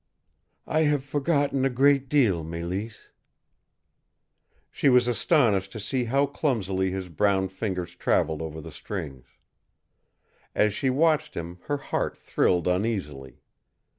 "I have forgotten a great deal, Mélisse." She was astonished to see how clumsily his brown fingers traveled over the strings. As she watched him, her heart thrilled uneasily.